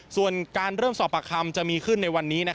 ส่วนการเริ่มสอบปากคำจะมีขึ้นในวันนี้